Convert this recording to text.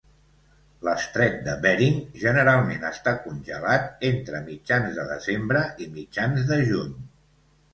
L'estret de Bering generalment està congelat entre mitjans de desembre i mitjans de juny.